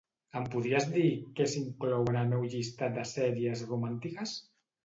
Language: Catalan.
Em podries dir què s'inclou en el meu llistat de sèries romàntiques?